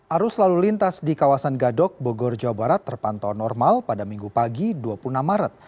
arus lalu lintas di kawasan gadok bogor jawa barat terpantau normal pada minggu pagi dua puluh enam maret